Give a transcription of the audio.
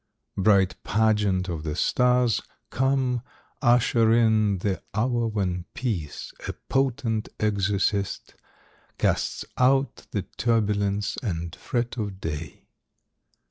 Bright pageant of the stars, come, usher in The hour when Peace, a potent exorcist, Casts out the turbulence and fret of day.